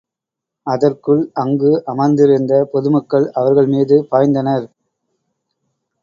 அதற்குள் அங்கு அமர்ந்திருந்த பொதுமக்கள் அவர்கள் மீது பாய்ந்தனர்.